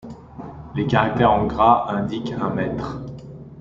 Les caractères en gras indiquent un maître.